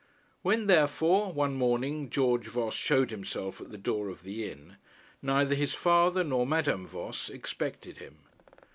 When therefore one morning George Voss showed himself at the door of the inn, neither his father nor Madame Voss expected him.